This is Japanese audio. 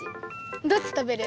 どっち食べる？